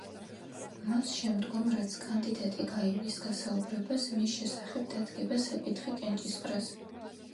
მას შემდგომ, რაც კანდიდატი გაივლის გასაუბრებას, მის შესახებ დადგება საკითხი კენჭისყრაზე.